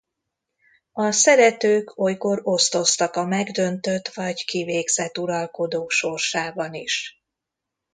A szeretők olykor osztoztak a megdöntött vagy kivégzett uralkodó sorsában is.